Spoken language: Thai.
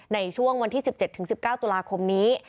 ในช่วงวันที่๑๗๑๙ตุลาคมนี้